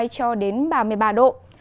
cho đến ba mươi ba độ